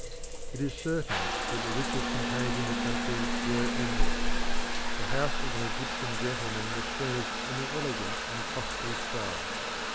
It is certain that the riches contained in the country were immense. The house of an Egyptian gentleman was furnished in an elegant and costly style.